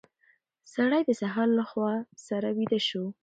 سړی د سهار له هوا سره ویده شو.